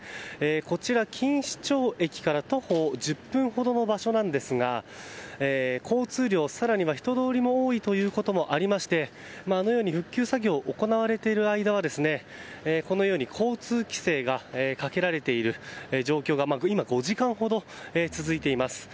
こちら、錦糸町駅から徒歩１０分ほどの場所なんですが交通量、更には人通りも多いということもありましてあのように復旧作業が行われている間はこのように交通規制がかけられている状況が５時間ほど続いています。